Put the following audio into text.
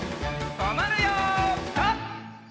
とまるよピタ！